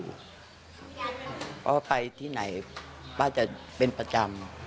เพราะว่าไปที่ไหนป้าจะเป็นประจำ